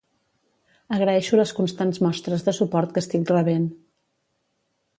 Agraeixo les constants mostres de suport que estic rebent.